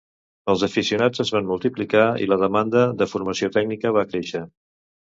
Els aficionats es van multiplicar i la demanda de formació tècnica va créixer.